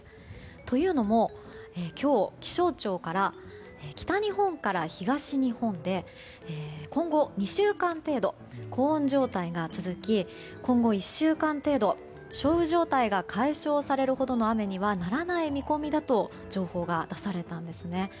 というのも今日、気象庁から北日本から東日本で今後２週間程度高温状態が続き今後１週間程度少雨状態が解消されるほどの雨にはならない見込みだと情報が出されたんですね。